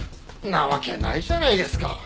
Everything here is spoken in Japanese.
なわけないじゃないですか。